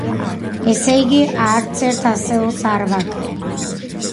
ესე იგი, არც ერთ ასეულს არ ვაკლებ.